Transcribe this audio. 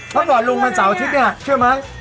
พบอกจากลุงนังสาวอาทิตย์เชื่อไหม